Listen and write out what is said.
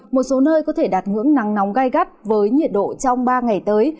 một số nơi có thể đạt ngưỡng nắng nóng gai gắt với nhiệt độ trong ba ngày tới